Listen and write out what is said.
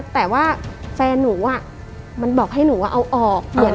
แต่ว่าแฟนหนูมันบอกให้หนูว่าเอาออก